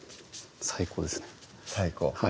最高ですね最高？